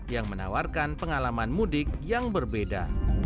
yang menawarkan pengalaman mudik yang berbeda